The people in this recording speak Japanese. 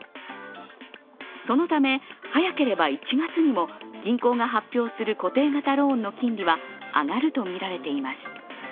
そのため、早ければ１月にも銀行が発表する固定型ローンの金利は上がるとみられています。